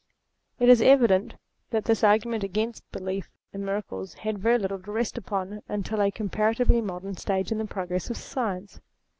It is evident that this argument against belief in miracles had very little to rest upon until a com paratively modern stage in the progress of science.